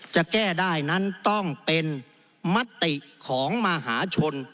จะแก้ได้นั้นต้องเป็นมติของมหาชน